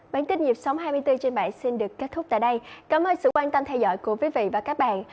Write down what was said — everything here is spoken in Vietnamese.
bản tin nhịp sống hai mươi bốn trên bảy xin được kết thúc tại đây cảm ơn sự quan tâm theo dõi của quý vị và các bạn